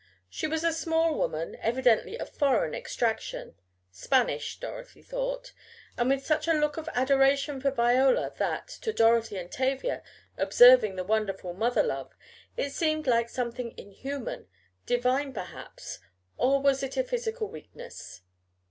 She was a small woman, evidently of foreign extraction (Spanish, Dorothy thought) and with such a look of adoration for Viola that, to Dorothy and Tavia, observing the wonderful mother love, it seemed like something inhuman, divine perhaps, or was it a physical weakness?